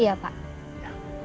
ya terima kasih